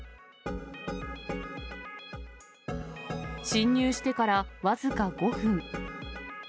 侵入してから僅か５分。